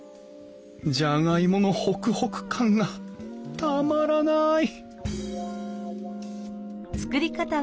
じゃがいものホクホク感がたまらない！